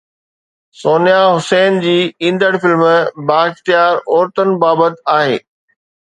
سونيا حسين جي ايندڙ فلم بااختيار عورتن بابت آهي